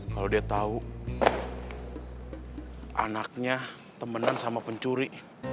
kalau dia tahu anaknya temanan sama pencuri